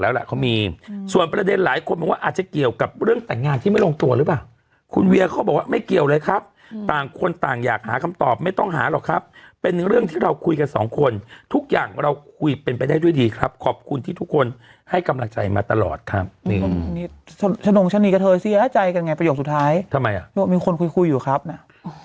แล้วแหละเขามีส่วนประเด็นหลายคนบอกว่าอาจจะเกี่ยวกับเรื่องแต่งงานที่ไม่ลงตัวหรือเปล่าคุณเวียเขาบอกว่าไม่เกี่ยวเลยครับต่างคนต่างอยากหาคำตอบไม่ต้องหาหรอกครับเป็นเรื่องที่เราคุยกันสองคนทุกอย่างเราคุยเป็นไปได้ด้วยดีครับขอบคุณที่ทุกคนให้กำลังใจมาตลอดครับนี่ฉนงชะนีกับเธอเสียใจกันไงประโยคสุดท้ายทำไมอ่ะมีคนคุยคุยอยู่ครับนะ